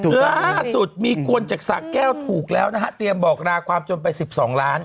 ล่าสุดมีคนจากสะแก้วถูกแล้วนะฮะเตรียมบอกราความจนไป๑๒ล้าน